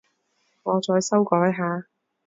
我再修改下